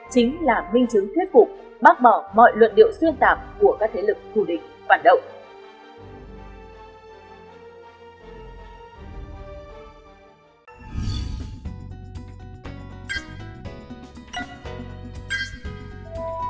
chính là minh chứng thuyết phục bác bỏ mọi luận điệu xuyên tạp của các thế lực thù địch phản động